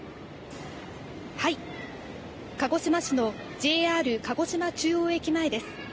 鹿児島市のＪＲ鹿児島中央駅前です。